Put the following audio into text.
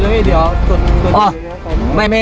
สวัสดีครับทุกคน